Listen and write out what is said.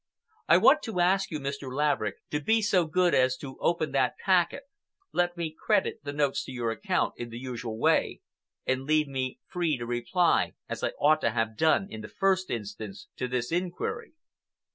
I want to ask you, Mr. Laverick, to be so good as to open that packet, let me credit the notes to your account in the usual way, and leave me free to reply as I ought to have done in the first instance to this inquiry."